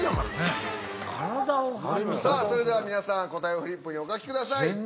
さあそれでは皆さん答えをフリップにお書きください。